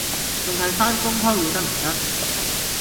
淨係返工開會得唔得？